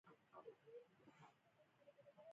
د پیرودونکي وفاداري د باور پايله ده.